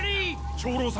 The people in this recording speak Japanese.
長老様